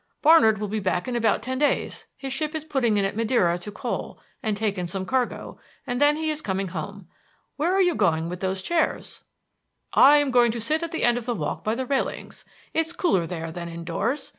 Barnard will be back in about ten days. His ship is putting in at Madeira to coal and take in some cargo, and then he is coming home. Where are you going with those chairs?" "I am going to sit down at the end of the Walk by the railings. It's cooler there than indoors.